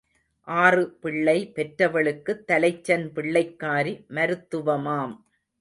ஆறு பிள்ளை பெற்றவளுக்குத் தலைச்சன் பிள்ளைக்காரி மருத்துவமாம்.